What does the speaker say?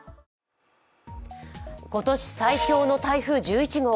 今年最強の台風１１号。